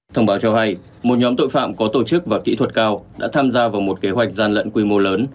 thông báo cho hay một nhóm tội phạm có tổ chức và kỹ thuật cao đã tham gia vào một kế hoạch gian lận quy mô lớn